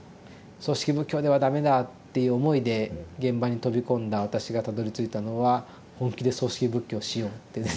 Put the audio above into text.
「葬式仏教では駄目だ」っていう思いで現場に飛び込んだ私がたどりついたのは「本気で葬式仏教しよう」っていうですね